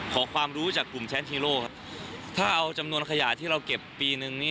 ขอความรู้จากกลุ่มแชมป์ฮีโร่ครับถ้าเอาจำนวนขยะที่เราเก็บปีนึงนี้